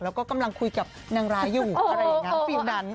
แล้วก็กำลังคุยกับนางร้ายอยู่อะไรอย่างนั้นฟิล์มนั้น